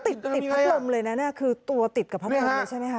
ติดติดพัดลมเลยนะเนี่ยคือตัวติดกับพระมงใช่ไหมคะ